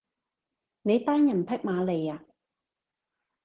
你單人匹馬嚟呀？